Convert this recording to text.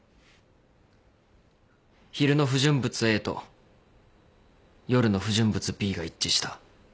昼の不純物Ａと夜の不純物Ｂが一致した。